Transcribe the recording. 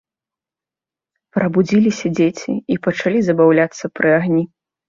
Прабудзіліся дзеці і пачалі забаўляцца пры агні.